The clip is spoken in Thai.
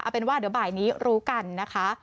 เป็นว่าเดี๋ยวบ่ายนี้รู้กันนะคะ